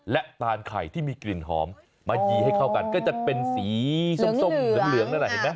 และตานไข่ที่มีกลิ่นหอมมายีให้เข้ากันก็จะเป็นสีส้มเหลืองนั่นแหละเห็นไหม